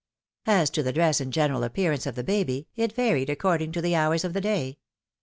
As to the dress and general appearance of the baby, it varied according to the hours of the day.